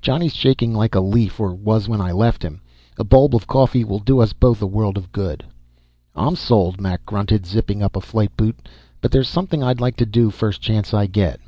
Johnny's shaking like a leaf, or was when I left him. A bulb of coffee will do us both a world of good." "I'm sold," Mac grunted, zipping up a flight boot. "But there's something I'd like to do, first chance I get."